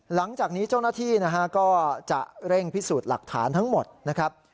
หลังจากนี้เจ้าหน้าที่นะฮะก็จะเร่งพิสูจน์หลักฐานทั้งหมดนะครับ